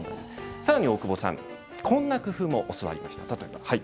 さらに大久保さんにこんな工夫も教わりました。